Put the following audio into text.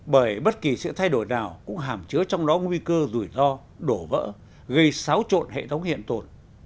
bởi bất kỳ sự thay đổi nào cũng hàm chứa trong đó nguy cơ rủi ro đổ vỡ gây xáo trộn hệ thống hiện tồn